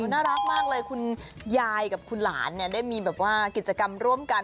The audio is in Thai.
น่ารักมากเลยคุณยายกับคุณหลานได้มีแบบว่ากิจกรรมร่วมกัน